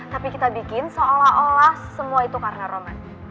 tapi kita bikin seolah olah semua itu karena roman